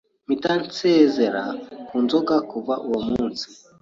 mpita nsezera ku nzoga kuva uwo munsi